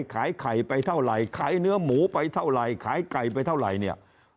ขายไข่ไปเท่าไหร่ขายเนื้อหมูไปเท่าไหร่ขายไก่ไปเท่าไหร่เนี่ย